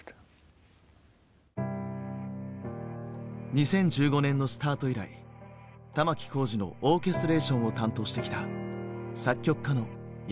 ２０１５年のスタート以来玉置浩二のオーケストレーションを担当してきた作曲家の山下康介。